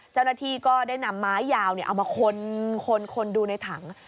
เจ้าหน้าที่ก็ได้นำไม้ยาวเอามาคนดูในถัง